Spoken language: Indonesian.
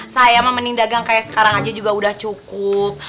saya mah mending dagang kayak sekarang aja juga udah cukup